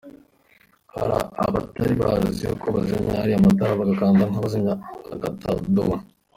Hari abatari bazi uko bazimya ariya matara bagakanda nk’ abazimya agatadoba”.